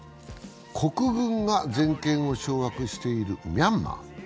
国軍が全権を掌握しているミャンマー。